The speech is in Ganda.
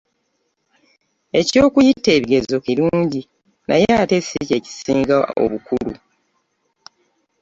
Eky’okuyita ebigezo kirungi naye ate si kye kisinga obukulu.